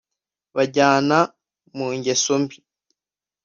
babajyana mu ngeso mbi